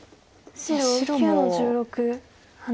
白９の十六ハネ。